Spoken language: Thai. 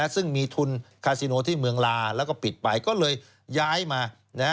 ซึ่งมีทุนคาซิโนที่เมืองลาแล้วก็ปิดไปก็เลยย้ายมา